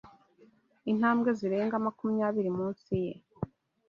Intambwe zirenga makumyabiri munsi ye